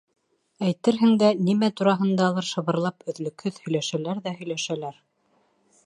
Әйтерһең дә, нимә тураһындалыр шыбырлап, өҙлөкһөҙ һөйләшәләр ҙә һөйләшәләр...